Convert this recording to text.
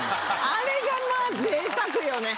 あれがまぁぜいたくよね。